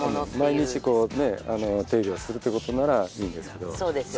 毎日こうね手入れをするということならいいんですけどそうですよね